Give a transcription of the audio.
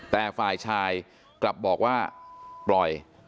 แต่ฝ่ายชายกลับบอกว่าปล่อย